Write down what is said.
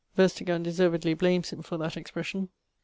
] Verstegan deservedly blames him for that expression.